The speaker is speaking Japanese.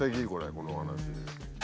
このお話。